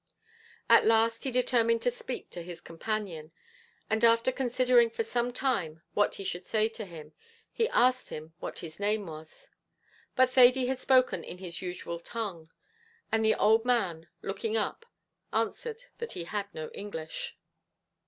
At last he determined to speak to his companion, and after considering for some time what he should say to him, he asked him what his name was; but Thady had spoken in his usual language, and the old man, looking up, answered that he had no English.